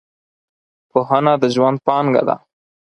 پوهنه د ژوند پانګه ده .